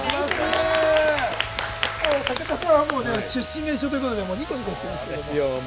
武田さん、出身地が一緒ということでニコニコしてますね。